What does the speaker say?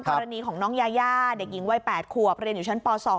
กรณีของน้องยายาเด็กหญิงวัย๘ขวบเรียนอยู่ชั้นป๒